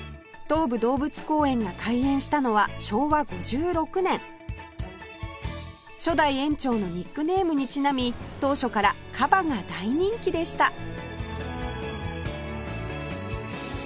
東武動物公園が開園したのは昭和５６年初代園長のニックネームにちなみ当初からカバが大人気でした